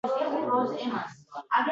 O’t qo’ydilar.